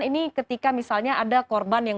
ini ketika misalnya ada korban yang